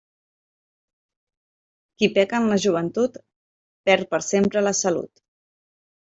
Qui peca en la joventut, perd per sempre la salut.